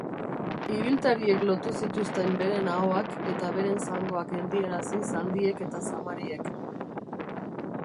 Ibiltariek lotu zituzten beren ahoak, eta beren zangoak geldiarazi zaldiek eta zamariek.